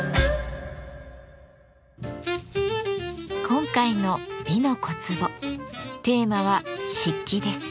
今回の「美の小壺」テーマは「漆器」です。